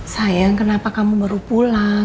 sayang kenapa kamu baru pulang